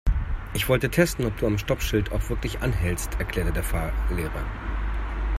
"Ich wollte testen, ob du am Stoppschild auch wirklich anhältst", erklärte der Fahrlehrer.